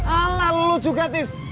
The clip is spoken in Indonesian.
ala lu juga tis